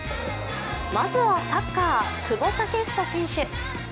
まずはサッカー久保建英選手。